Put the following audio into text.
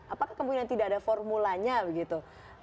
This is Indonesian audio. apakah kemudian tidak ada formulanya begitu